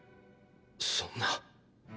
そんな。